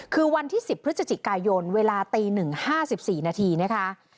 คือวันที่๑๐พฤศจิกายนเวลาตี๑๕๔นาทีนะคะ